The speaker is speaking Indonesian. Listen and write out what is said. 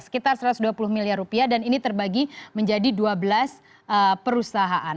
sekitar satu ratus dua puluh miliar rupiah dan ini terbagi menjadi dua belas perusahaan